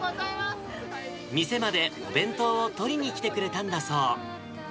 店までお弁当を取りに来てくれたんだそう。